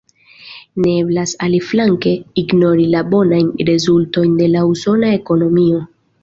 Ne eblas aliflanke ignori la bonajn rezultojn de la usona ekonomio.